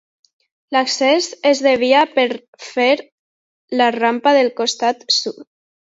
L'accés es devia fer per la rampa del costat sud.